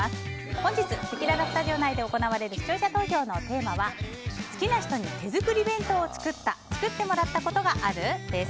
本日、せきららスタジオ内で行われる視聴者投票のテーマは好きな人に手作り弁当を作った・作ってもらったことがある？です。